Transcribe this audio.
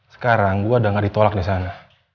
sekarang gue udah gak ditolak di sana